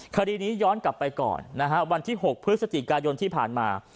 คดีนี้ย้อนกลับไปก่อนนะฮะวันที่๖พฤศจิกายนที่ผ่านมา